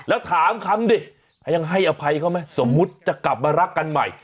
แล้วถามคำดิยังให้อภัยเขาไหมสมมุติจะกลับมารักกันใหม่